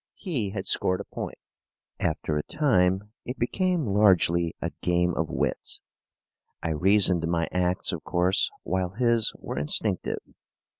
He had scored a point. After a time, it became largely a game of wits. I reasoned my acts, of course, while his were instinctive.